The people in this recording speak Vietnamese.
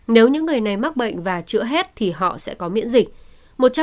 nếu những người này mắc bệnh và chữa hết thì họ sẽ có miễn dịch